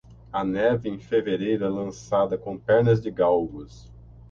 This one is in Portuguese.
A neve em fevereiro é lançada com pernas de galgos.